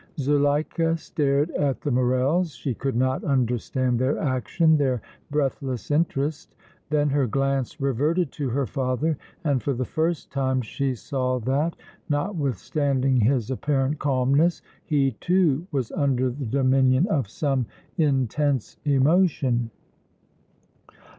Zuleika stared at the Morrels; she could not understand their action, their breathless interest. Then her glance reverted to her father and, for the first time, she saw that, notwithstanding his apparent calmness, he, too, was under the dominion of some intense emotion.